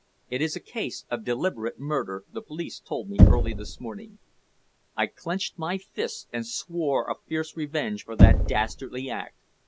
It is a case of deliberate murder, the police told me early this morning." I clenched my fists and swore a fierce revenge for that dastardly act.